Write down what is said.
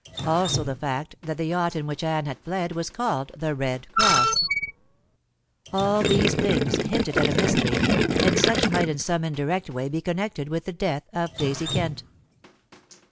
Also the fact that the yacht in which Anne had fled was called The Red Cross. All these things hinted at a mystery, and such might in some indirect way be connected with the death of Daisy Kent.